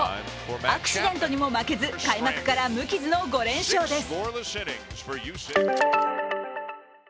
アクシデントにも負けず開幕から無傷の５連勝です。